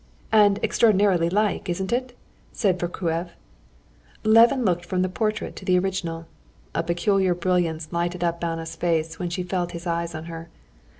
"And extraordinarily like, isn't it?" said Vorkuev. Levin looked from the portrait to the original. A peculiar brilliance lighted up Anna's face when she felt his eyes on her.